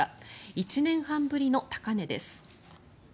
１年半ぶりの高値です。